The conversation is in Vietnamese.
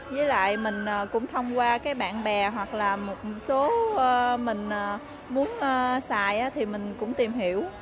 với lại mình cũng thông qua cái bạn bè hoặc là một số mình muốn xài thì mình cũng tìm hiểu